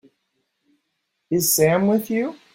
Is Sam with you?